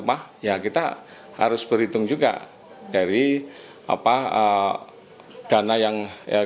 agar bunga tetap terjangkau